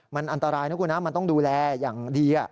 มันอันตรายนะคุณนะมันต้องดูแลอย่างดี